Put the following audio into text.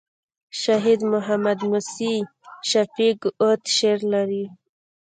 شهید محمد موسي شفیق اوږد شعر لري.